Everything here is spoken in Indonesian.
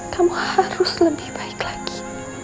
kamu harus lebih baik lagi